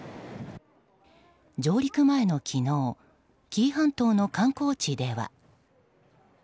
上陸前の昨日紀伊半島の観光地では。